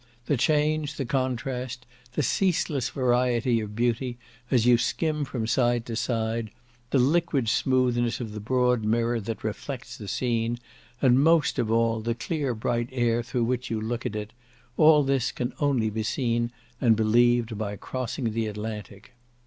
The change, the contrast, the ceaseless variety of beauty, as you skim from side to side, the liquid smoothness of the broad mirror that reflects the scene, and most of all, the clear bright air through which you look at it; all this can only be seen and believed by crossing the Atlantic.